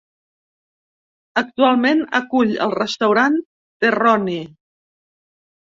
Actualment acull el restaurant Terroni.